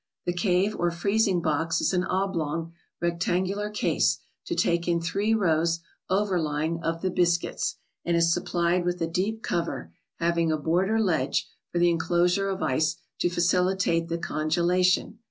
The cave or freezing box is an oblong, rectangular case, to take in three rows, overlying, of the biscuits, and is supplied with a deep cover, having a border ledge for the enclosure of ice, to facilitate the congelation.